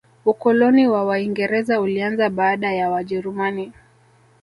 ukoloni wa waingereza ulianza baada ya wajerumani